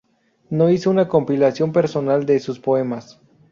No hizo una compilación personal de sus poemas.